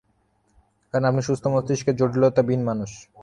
কারন আপনি সুস্থ মস্তিষ্কের, জটিলতা বিহীন মানুষ।